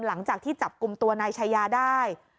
หลังจากที่จับกลุ่มตัวนายชายาได้